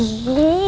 makasih ya tante